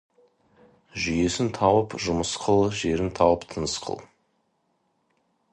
Жүйесін тауып жұмыс қыл, жерін тауып тыныс қыл.